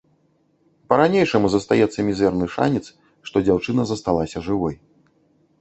Па-ранейшаму застаецца мізэрны шанец, што дзяўчына засталася жывой.